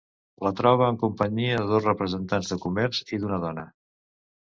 La troba en companyia de dos representants de comerç i d'una dona.